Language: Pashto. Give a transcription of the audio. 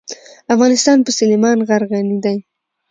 افغانستان په سلیمان غر غني دی.